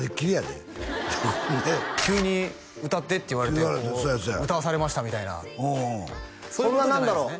でほんで急に歌ってって言われて歌わされましたみたいなそれは何だろう